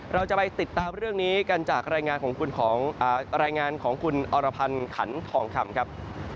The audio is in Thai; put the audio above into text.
เราจะไปติดตามเรื่องนี้กันจากรายงานของคุณอรพันธ์ขันธรรมครับ